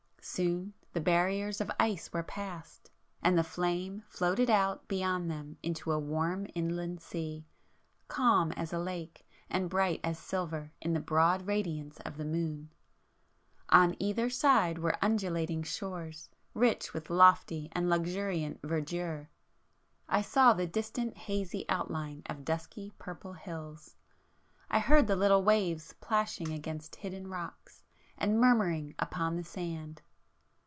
Soon the barriers of ice were passed,—and the 'Flame' floated out beyond them into a warm inland sea, calm as a lake, and bright as silver in the broad radiance of the moon. On either side were undulating shores, rich with lofty and luxuriant verdure,—I saw the distant hazy outline of dusky purple hills,—I heard the little waves plashing against hidden rocks, and murmuring upon the sand.